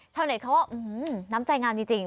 ชาวเน็ตเขาก็น้ำใจงามจริง